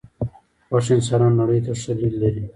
خوښ انسانان نړۍ ته ښه لید لري .